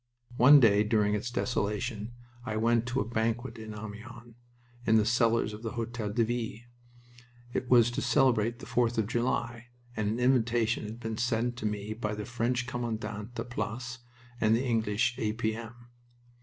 One day during its desolation I went to a banquet in Amiens, in the cellars of the Hotel de Ville. It was to celebrate the Fourth of July, and an invitation had been sent to me by the French commandant de place and the English A. P. M.